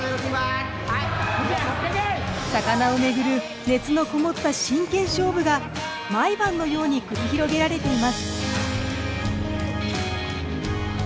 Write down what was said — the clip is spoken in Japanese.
魚を巡る熱のこもった真剣勝負が毎晩のように繰り広げられています。